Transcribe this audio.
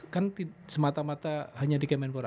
kan semata mata hanya di kemenpora